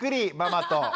ママと。